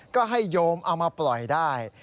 ก็ให้โยมเอามาปล่อยได้